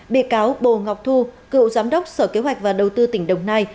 bị cáo bồ ngọc thu cựu giám đốc sở kế hoạch và đầu tư tỉnh đồng nai